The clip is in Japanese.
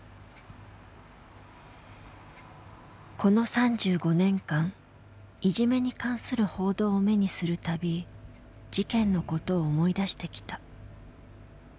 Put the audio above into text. この３５年間いじめに関する報道を目にするたび事件のことを思い出してきた。